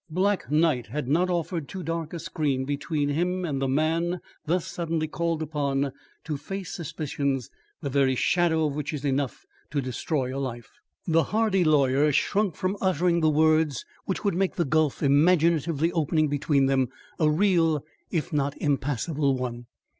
Black night had not offered too dark a screen between him and the man thus suddenly called upon to face suspicions the very shadow of which is enough to destroy a life. The hardy lawyer shrunk from uttering the words which would make the gulf imaginatively opening between them a real, if not impassable, one.